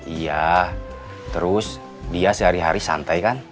iya terus dia sehari hari santai kan